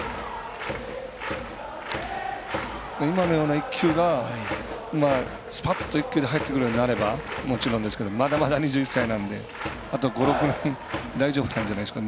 今のような１球がスパッと１球で入ってくるようになればもちろんですけどまだまだ２１歳なんであと５６年大丈夫なんじゃないですか